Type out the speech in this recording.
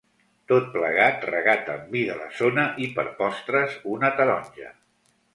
Tot plegat regat amb vi de la zona i, per postres, una taronja.